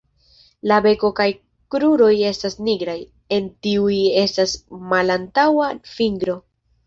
La beko kaj kruroj estas nigraj; en tiuj estas malantaŭa fingro.